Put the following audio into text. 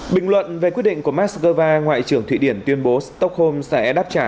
bình luận về quyết định của moscow ngoại trưởng thụy điển tuyên bố stockholm sẽ đáp trả